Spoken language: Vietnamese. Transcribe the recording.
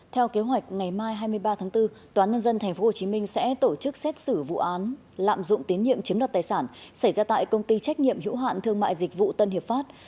theo kế hoạch ngày mai hai mươi ba tháng bốn toán nhân dân tp hcm sẽ tổ chức xét xử vụ án lạm dụng tín nhiệm chiếm đoạt tài sản xảy ra tại công ty trách nhiệm hữu hạn thương mại dịch vụ tân hiệp pháp